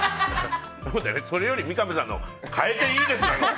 それより三上さんの変えていいですが。